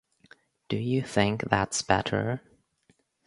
Do you think that's better?